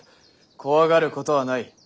怖がることはない。